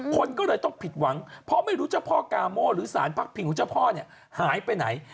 คนก็เลยต้องผิดหวังเพราะไม่รู้เจ้าพ่อกาโม่หรือสารพักพิงของเจ้าพ่อเนี่ยหายไปไหน